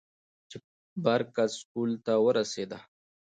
چې بر کڅ سکول ته راورسېدۀ ـ